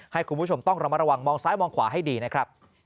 ให้คุณผู้ชมต้องระมัดระวังมองซ้ายมองขวาให้ดีนะครับ